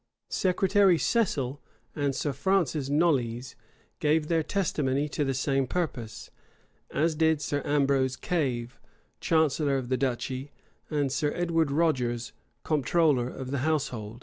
Secretary Cecil and Sir Francis Knollys gave their testimony to the same purpose; as did also Sir Ambrose Cave, chancellor of the duchy, and Sir Edward Rogers, comptroller of the household.